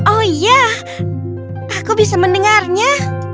oh iya aku bisa mendengarnya